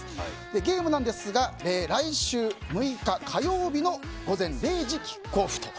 ゲームですが来週６日火曜日の午前０時キックオフ。